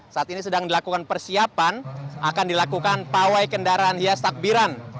saat ini sedang dilakukan persiapan akan dilakukan pawai kendaraan hias takbiran